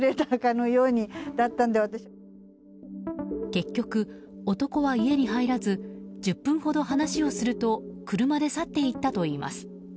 結局、男は家に入らず１０分ほど話をすると車で去って行ったといいます。